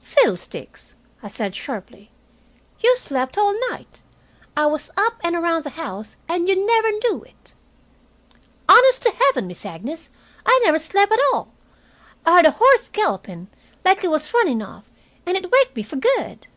"Fiddlesticks!" I said sharply. "You slept all night. I was up and around the house, and you never knew it." "Honest to heaven, Miss Agnes, I never slep' at all. I heard a horse galloping', like it was runnin' off, and it waked me for good."